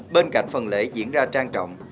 bên cạnh phần lễ diễn ra trang trọng